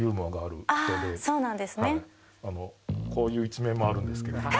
こういう一面もあるんですけど。